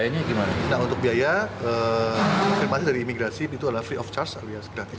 nah untuk biaya konfirmasi dari imigrasi itu adalah free of charge alias gratis